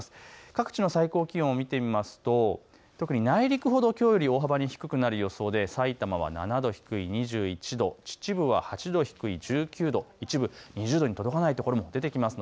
各地の最高気温を見ると特に内陸ほどきょうより大幅に低くなる予想で、さいたま７度低い２１度秩父は８度低い１９度、一部、２０度に届かない所も出てきます。